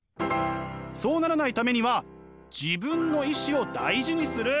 そうならないためには自分の意志を大事にする。